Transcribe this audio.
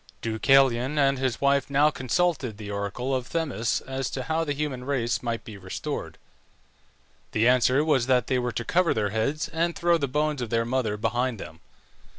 Deucalion and his wife now consulted the oracle of Themis as to how the human race might be restored. The answer was, that they were to cover their heads, and throw the bones of their mother behind them.